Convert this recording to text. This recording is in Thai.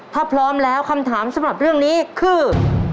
ถ้าพร้อมแล้วคำถามสำหรับเรื่องนี้คือ